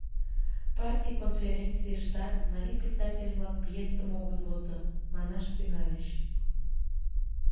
Партий конференцийыштат «марий писатель-влак пьесым огыт возо» манаш тӱҥальыч.